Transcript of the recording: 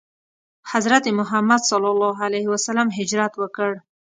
حضرت محمد ﷺ هجرت وکړ.